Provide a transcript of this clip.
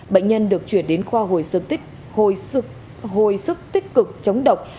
bệnh nhân được chuyển đến khoa hồi sức tích cực chống độc